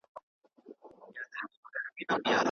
که اسټروېډ ته پام ونه شي، زیان رامنځته کېدای شي.